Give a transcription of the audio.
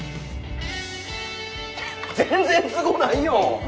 全然すごないよ！